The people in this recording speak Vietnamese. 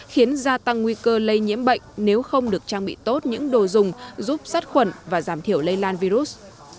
khiến gia tăng nguy cơ lây nhiễm bệnh nếu không được trang bị tốt những đồ dùng giúp sát khuẩn và giảm thiểu lây lan virus